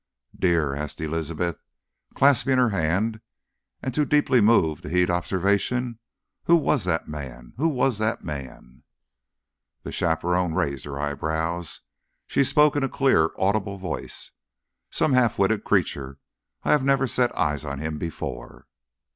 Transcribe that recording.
"Dear," asked Elizabeth, clasping her hand, and too deeply moved to heed observation, "who was that man? Who was that man?" The chaperone raised her eyebrows. She spoke in a clear, audible voice. "Some half witted creature. I have never set eyes on him before."